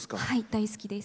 大好きです。